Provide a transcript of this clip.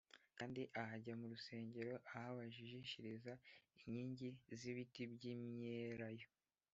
Kandi ahajya mu rusengero ahabajishiriza inkingi z’ibiti by’imyelayo